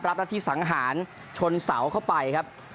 รับหน้าที่สังหารชนเสาเข้าไปครับ